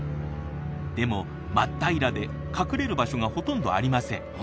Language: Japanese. でも真っ平らで隠れる場所がほとんどありません。